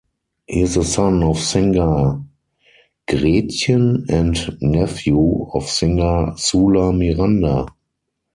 He is the son of singer Gretchen and nephew of singer Sula Miranda.